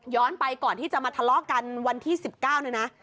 ย้อนไปก่อนที่จะมาทะเลาะกันวันที่สิบเก้าเนี่ยนะ